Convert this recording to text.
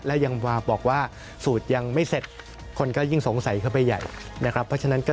แล้วยังมาบอกว่าสูตรยังไม่เสร็จ